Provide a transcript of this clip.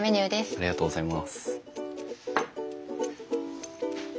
ありがとうございます。